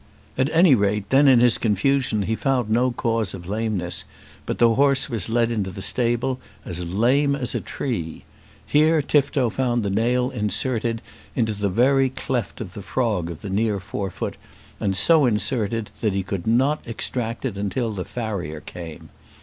At any rate then in his confusion he found no cause of lameness, but the horse was led into the stable as lame as a tree. Here Tifto found the nail inserted into the very cleft of the frog of the near fore foot, and so inserted that he could not extract it till the farrier came.